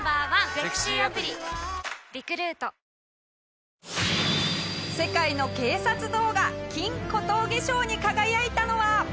下平：世界の警察動画金小峠賞に輝いたのは。